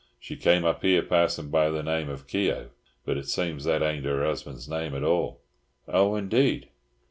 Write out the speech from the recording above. "She came up here passin' by the name of Keogh, but it seems that ain't her husband's name at all." "Oh, indeed!